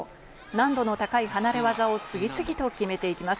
難度の高い離れ技を次々と決めていきます。